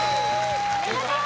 お見事